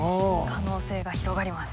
可能性が広がります。